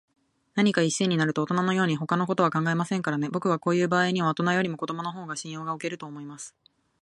何かに一心になると、おとなのように、ほかのことは考えませんからね。ぼくはこういうばあいには、おとなよりも子どものほうが信用がおけると思います。